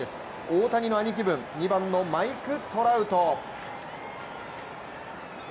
大谷の兄貴分、２番のマイク・トラウト。